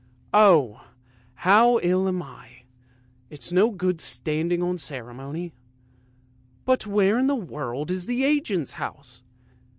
Oh! how ill I am, it's no good standing on ceremony. But where in the world is the agent's house?